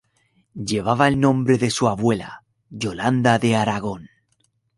Llevaba el nombre de su abuela, Yolanda de Aragón.